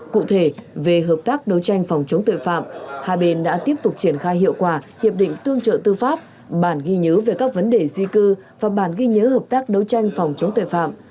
cụ thể về hợp tác đấu tranh phòng chống tội phạm hai bên đã tiếp tục triển khai hiệu quả hiệp định tương trợ tư pháp bản ghi nhớ về các vấn đề di cư và bản ghi nhớ hợp tác đấu tranh phòng chống tội phạm